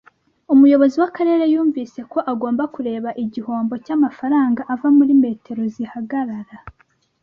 Umuyobozi w'akarere yumvise ko agomba kureba igihombo cy'amafaranga ava muri metero zihagarara.